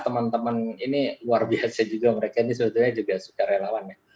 teman teman ini luar biasa juga mereka ini sebetulnya juga suka relawan ya